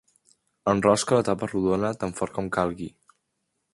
Enrosca la tapa rodona tan fort com calgui.